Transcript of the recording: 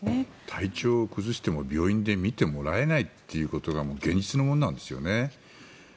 体調を崩しても病院で診てもらえないということが現実のものなんですよね。